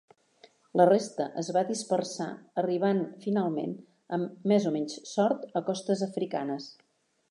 La resta es va dispersar arribant finalment, amb més o menys sort, a costes africanes.